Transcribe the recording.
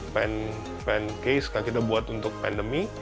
pen case kita buat untuk pandemi